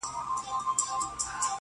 چا ویل؟ چي سوځم له انګار سره مي نه لګي.!